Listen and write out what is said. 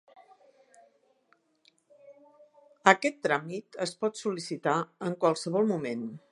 Aquest tràmit es pot sol·licitar en qualsevol moment.